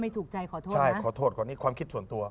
ใช่ขอโทษความคิดส่วนตัว